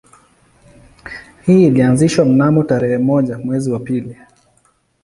Hii ilianzishwa mnamo tarehe moja mwezi wa pili